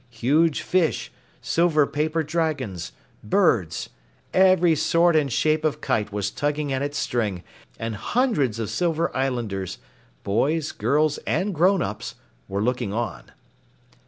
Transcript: Huge fish, silver paper dragons, birds every sort and shape of kite was tugging at its string, and hundreds of Silver Islanders boys, girls and grown ups were looking on.